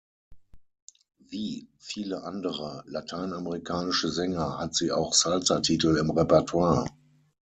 Wie viele andere lateinamerikanische Sänger hat sie auch Salsa Titel im Repertoire.